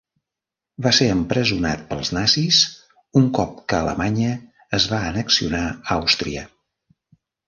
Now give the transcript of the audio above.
Va ser empresonat pels nazis un cop que Alemanya es va annexionar Àustria.